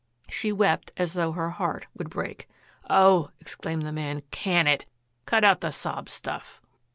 She wept as though her heart would break. "Oh," exclaimed the man, "can it! Cut out the sob stuff!"